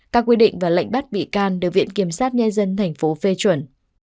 các quy định và lệnh bắt bị can được viện kiểm sát nhân dân tp phê chuẩn